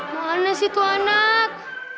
mana sih tuh anak